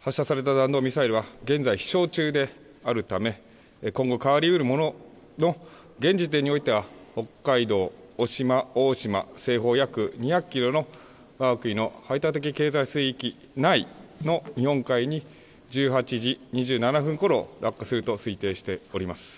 発射された弾道ミサイルは現在、飛しょう中であるため今後、変わりうるものの現時点においては北海道渡島大島の西方約２００キロのわが国の排他的経済水域内の日本海に１８時２７分ごろ落下すると推定しております。